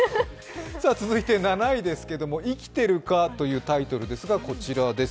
続いて７位ですけれども「生きてるか？」というタイトルですがこちらです。